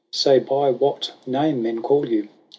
" Say by what name men call you